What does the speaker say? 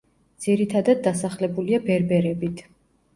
ძირითადად დასახლებულია ბერბერებით.